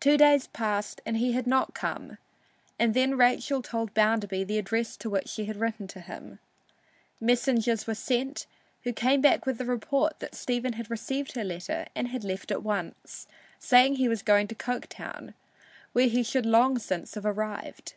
Two days passed and he had not come, and then Rachel told Bounderby the address to which she had written him. Messengers were sent, who came back with the report that Stephen had received her letter and had left at once, saying he was going to Coketown, where he should long since have arrived.